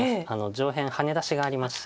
上辺ハネ出しがありまして。